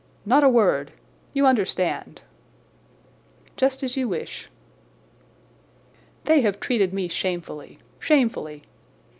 Not a word! You understand!" "Just as you wish." "They have treated me shamefully—shamefully.